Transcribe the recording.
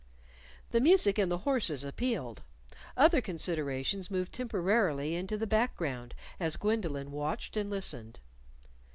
The music and the horses appealed. Other considerations moved temporarily into the background as Gwendolyn watched and listened.